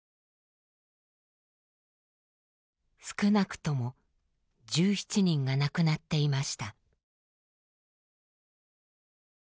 少なくとも１７人が亡くなっていました。